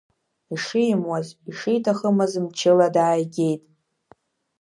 Ишимуаз, ишиҭахымыз мчыла даагеит…